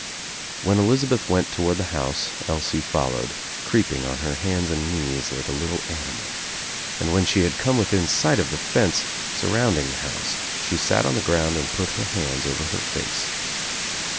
When Elizabeth went toward the house Elsie fol lowed, creepingon Jier hands and knees like a little animal, and when she had come within sight of the fence surrounding the house she sat on the ground and put her hands over her face.